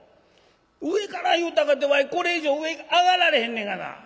「上から言うたかてわいこれ以上上に上がられへんねがな」。